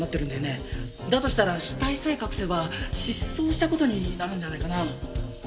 だとしたら死体さえ隠せば失踪した事になるんじゃないかな？